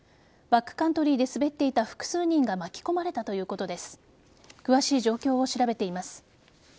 バックカントリーで滑っていた複数人が巻き込まれたということです。